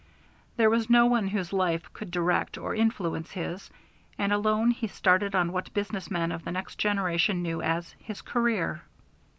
There was no one whose life could direct or influence his, and alone he started on what business men of the next generation knew as his career.